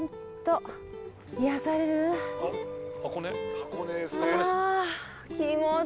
箱根ですね。